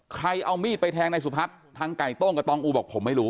ใครเอามีดไปแทงในสุพัฒน์ทั้งไก่โต้งร้านใครทั้งตององ่อบบบอกผมไม่รู้